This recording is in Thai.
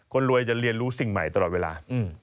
คนรวยจะเรียนรู้สิ่งใหม่ตลอดเวลา